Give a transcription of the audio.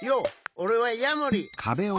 おれはヤモリ！